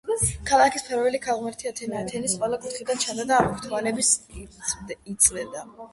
ქალაქის მფარველი ქალღმერთი ათენა ათენის ყველა კუთხიდან ჩანდა და აღფრთოვანებას იწვევდა.